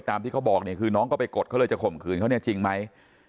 ที่เขาบอกเนี่ยคือน้องก็ไปกดเขาเลยจะข่มขืนเขาเนี่ยจริงไหม